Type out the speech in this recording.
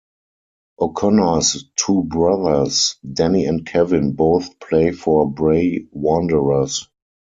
O'Connor's two brothers, Danny and Kevin both play for Bray Wanderers.